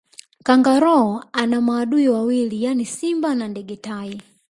Kangaroo ana maadui wawili yaani simba na ndege tai